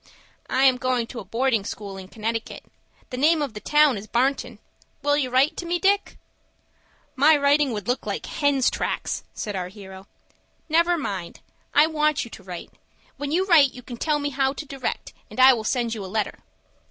"I am going to a boarding school in Connecticut. The name of the town is Barnton. Will you write to me, Dick?" "My writing would look like hens' tracks," said our hero. "Never mind. I want you to write. When you write you can tell me how to direct, and I will send you a letter."